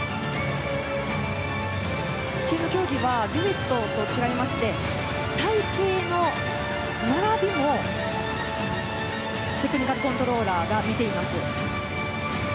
チーム競技はデュエットと違いまして隊形の並びもテクニカルコントローラーが見ています。